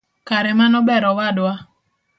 Kare mano ber awadwa.